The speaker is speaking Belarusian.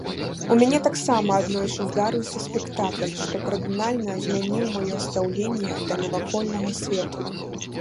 У мяне таксама аднойчы здарыўся спектакль, што кардынальна змяніў маё стаўленне да навакольнага свету.